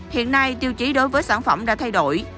hiện nay tiêu chí đối với sản phẩm đã thay đổi